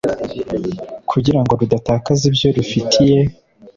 Kugira ngo rudatakaza ibyo rufitiye